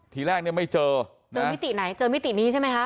ทีแรกเนี่ยไม่เจอเจอมิติไหนเจอมิตินี้ใช่ไหมคะ